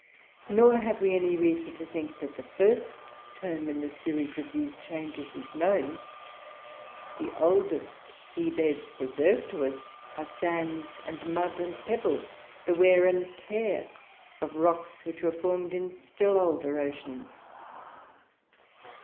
Nor have we any reason to think that the first term in the series of these changes is known. The oldest sea beds preserved to us are sands, and mud, and pebbles, the wear and tear of rocks which were formed in still older oceans.